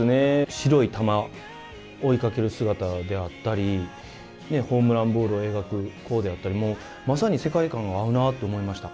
白い球を追いかける姿であったりホームランボールを描く弧であったりもう、まさに世界観が合うなと思いました。